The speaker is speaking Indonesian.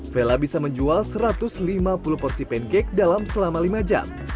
vela bisa menjual satu ratus lima puluh porsi pancake dalam selama lima jam